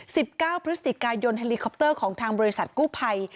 สิบเก้าพฤศจิกายนเฮลิคอปเตอร์ของทางบริษัทกู้ภัย